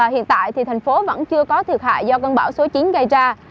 hiện tại thì thành phố vẫn chưa có thiệt hại do cơn bão số chín gây ra